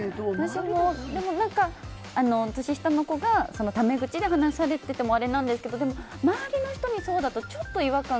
私も、年下の子がタメ口で話されててもあれですけどでも、周りの人にそうだとちょっと違和感。